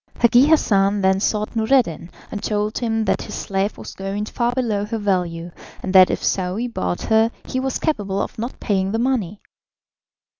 Hagi Hassan then sought Noureddin, and told him that his slave was going far below her value, and that if Saouy bought her he was capable of not paying the money.